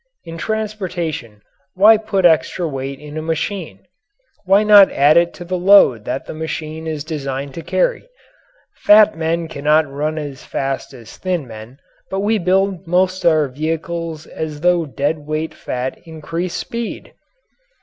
In transportation why put extra weight in a machine? Why not add it to the load that the machine is designed to carry? Fat men cannot run as fast as thin men but we build most of our vehicles as though dead weight fat increased speed!